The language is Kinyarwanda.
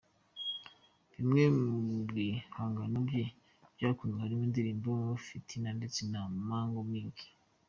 Bimwe mu bihangano bye byakunzwe harimo indirimbo "Fitina" ndetse na "Mambo Mingi".